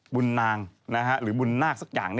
บุญนางหรือบุญนาคสักอย่าง